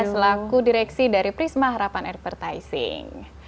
selaku direksi dari prisma harapan advertising